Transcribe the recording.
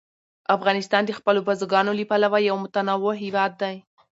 افغانستان د خپلو بزګانو له پلوه یو متنوع هېواد دی.